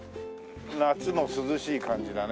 夏も涼しい感じだね。